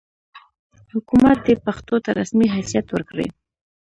حکومت دې پښتو ته رسمي حیثیت ورکړي.